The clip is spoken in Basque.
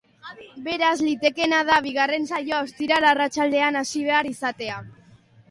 Beraz, litekeena da bigarren saioa ostiral arratsaldean hasi behar izatea.